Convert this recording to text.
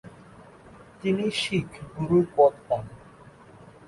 তিনি শিখ গুরুর পদ পান।